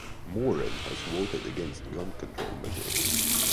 Moran has voted against gun control measures.